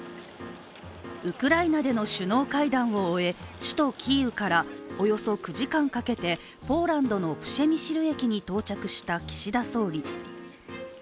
ウクライナでの首脳会談を終え首都キーウからおよそ９時間かけてポーランドのプシェミシル駅に到着した岸田総理。